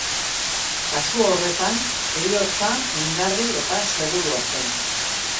Kasu horretan, heriotza mingarri eta segurua zen.